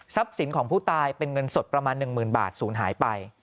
สินของผู้ตายเป็นเงินสดประมาณ๑๐๐๐บาทศูนย์หายไป